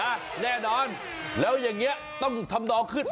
แน่นอนแล้วอย่างนี้ต้องทำนองขึ้น